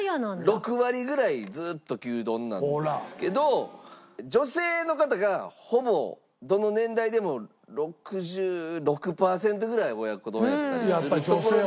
６割ぐらいずっと牛丼なんですけど女性の方がほぼどの年代でも６６パーセントぐらい親子丼やったりするところで。